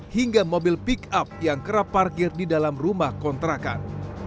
hingga mobil pick up yang kerap parkir di dalam rumah kontrakan